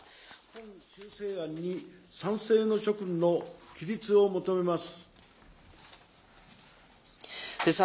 本修正案に賛成の諸君の起立を求めます。